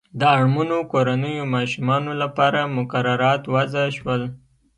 د اړمنو کورنیو ماشومانو لپاره مقررات وضع شول.